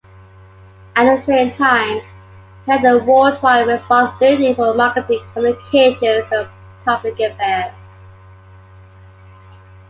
At the same time, he had worldwide responsibility for marketing, communications and public affairs.